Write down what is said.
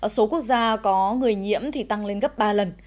số quốc gia có người nhiễm tăng lên gấp ba lần